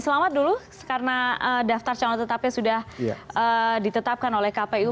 selamat dulu karena daftar calon tetapnya sudah ditetapkan oleh kpu